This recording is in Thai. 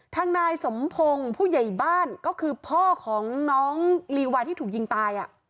ทางนายสมพงศ์ผู้ใหญ่บ้านก็คือพ่อของน้องลีวาที่ถูกยิงตาย